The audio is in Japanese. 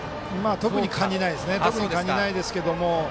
特に感じないですね。